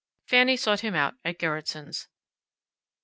Fanny sought him out at Gerretson's.